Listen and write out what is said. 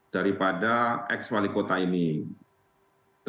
daripada ex wali kota blitar sma